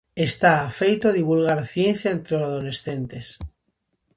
Está afeito a divulgar ciencia entre adolescentes.